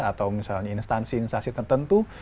atau misalnya instansi instansi tertentu